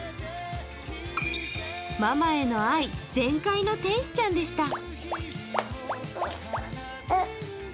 ママへの愛全開の天使ちゃんでした。